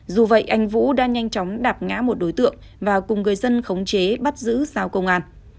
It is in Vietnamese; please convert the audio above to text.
dù vậy anh vũ đã nhanh chóng đạp ngã một đối tượng và cùng người dân khống chế bắt giữ giao công an